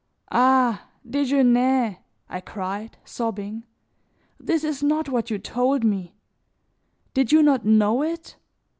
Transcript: "Ah! Desgenais," I cried, sobbing, "this is not what you told me. Did you not know it?